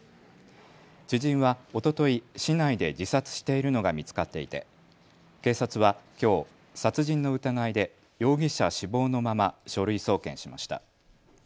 知人はおととい市内で自殺しているのが見つかっていて警察は、きょう殺人の疑いで容疑者死亡のまま書類送検しました。